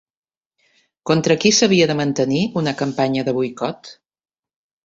Contra qui s'havia de mantenir una campanya de boicot?